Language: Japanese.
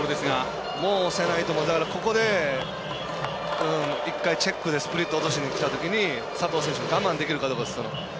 もう押せないと思うんでここで１回チェックでスプリット落としにきたときに佐藤選手我慢できるかどうかですね。